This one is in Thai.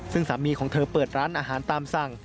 ซึ่งสามีของเธอเปิดร้านอาหารตามสั่ง